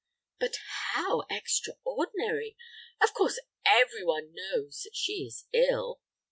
"But how extraordinary! Of course everyone knows that she is ill."